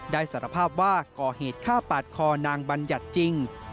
สารภาพว่าก่อเหตุฆ่าปาดคอนางบัญญัติจริง